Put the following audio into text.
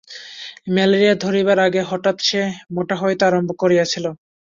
Malaria ধরিবার আগে হঠাৎ সে মোটা হইতে আরম্ভ করিয়াছিল।